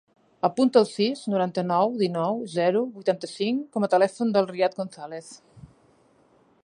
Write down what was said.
Apunta el sis, noranta-nou, dinou, zero, vuitanta-cinc com a telèfon del Riad Gonzalez.